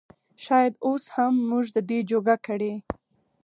شايد اوس هم مونږ د دې جوګه کړي